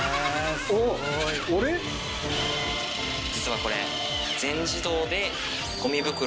実はこれ。